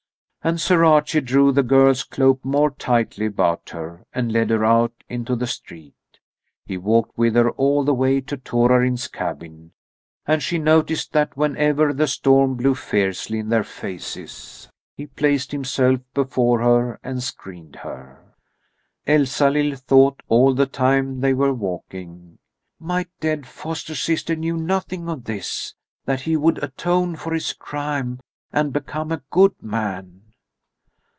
And Sir Archie drew the girl's cloak more tightly about her and led her out into the street. He walked with her all the way to Torarin's cabin, and she noticed that whenever the storm blew fiercely in their faces, he placed himself before her and screened her. Elsalill thought, all the time they were walking: "My dead foster sister knew nothing of this, that he would atone for his crime and become a good man."